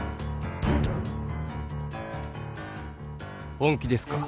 本気ですか？